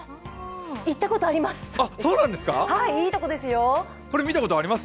行ったことあります。